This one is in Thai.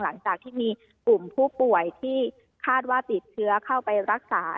หลังจากที่มีกลุ่มผู้ป่วยที่คาดว่าติดเชื้อเข้าไปรักษา